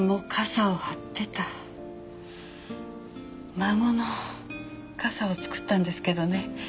孫の傘を作ったんですけどね